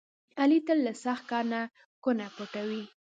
علي تل له سخت کار نه کونه پټوي.